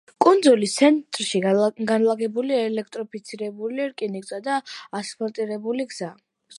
კუნძულის ცენტრში განლაგებულია ელექტროფიცირებული რკინიგზა და ასფალტირებული გზა.